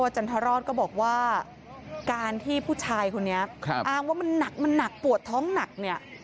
จันทรศก็บอกว่าการที่ผู้ชายคนนี้อ้างว่ามันหนักมันหนักปวดท้องหนักเนี่ย